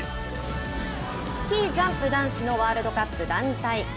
スキージャンプ男子のワールドカップ団体。